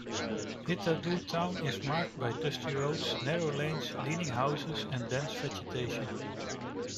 Hithadhoo Town is marked by dusty roads, narrow lanes, leaning houses and dense vegetation.